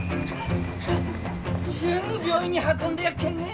すぐ病院に運んでやっけんね。